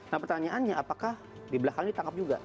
nah pertanyaannya apakah di belakang ini ditangkap juga